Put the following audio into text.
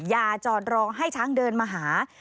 อย่าจอดรอให้ช้างเดินมาหา